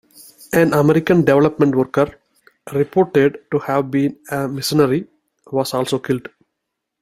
An American development worker, reported to have been a missionary, was also killed.